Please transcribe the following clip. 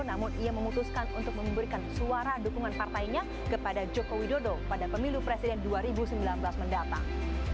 namun ia memutuskan untuk memberikan suara dukungan partainya kepada joko widodo pada pemilu presiden dua ribu sembilan belas mendatang